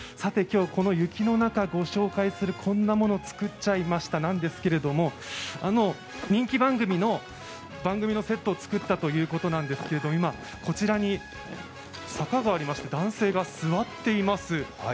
今日、この雪の中ご紹介する「こんなのつくっちゃいました」ですけれどもあの人気番組のセットを作ったということなんですけれども、今、こちらに坂がありまして男性が座っています。